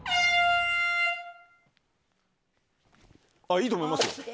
いいと思います。